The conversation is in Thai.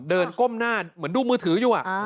ก้มหน้าเหมือนดูมือถืออยู่